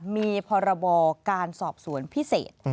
มีพรบการสอบสวนพิเศษ